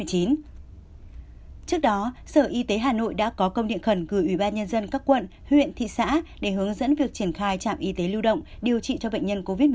trước đó sở y tế hà nội đã có công điện khẩn gửi ủy ban nhân dân các quận huyện thị xã để hướng dẫn việc triển khai trạm y tế lưu động điều trị cho bệnh nhân covid một mươi chín